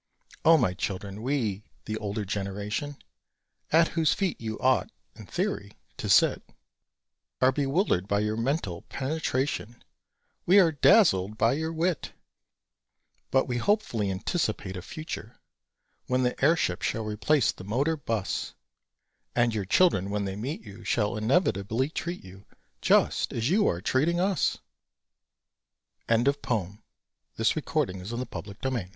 O my Children, we, the older generation, At whose feet you ought (in theory) to sit, Are bewildered by your mental penetration, We are dazzled by your wit! But we hopefully anticipate a future When the airship shall replace the motor 'bus, And your children, when they meet you, Shall inevitably treat you Just as you are treating us! "As us" is not grammar. Publishers' Reader.